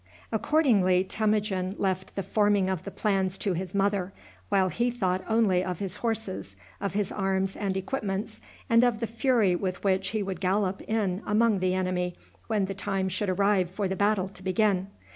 Accordingly, Temujin left the forming of the plans to his mother, while he thought only of his horses, of his arms and equipments, and of the fury with which he would gallop in among the enemy when the time should arrive for the battle to begin.